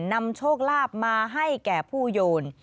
นำโชคลาภมาให้แก่ผู้โยน